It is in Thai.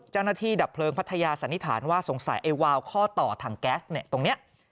เจ้าหน้าที่ดับเพลิงพัทยาสันนิษฐานว่าสงสัยไอ้วาล์ข้อต่อถังแก๊สตรงนี้